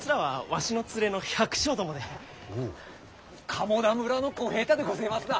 鴨田村の小平太でごぜえますだ。